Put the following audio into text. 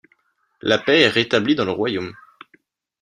La paix est rétablie dans le royaume.